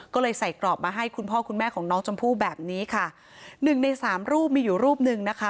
ก็เลยใส่กรอบมาให้คุณพ่อคุณแม่ของน้องชมพู่แบบนี้ค่ะหนึ่งในสามรูปมีอยู่รูปหนึ่งนะคะ